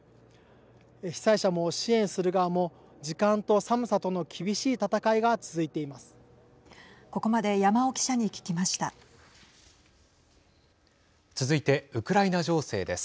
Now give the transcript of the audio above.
被災者も支援する側も時間と寒さとの厳しい戦いが続いています。